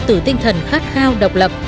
từ tinh thần khát khao độc lập